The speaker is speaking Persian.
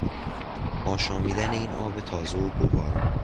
آشامیدن این آب تازه و گوارا